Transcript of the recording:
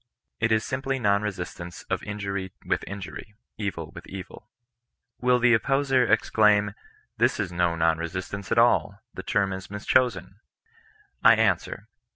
It is simply non resistance ot injury with injury — evil with evil. Will the opposer exclaim —" This is no non resistance at all; the term is mischosen !" I answer.